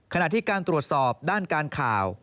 ขณะที่การตรวจสอบด้านการข่าว